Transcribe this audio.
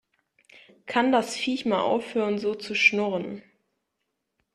Kann das Viech mal aufhören so zu schnurren?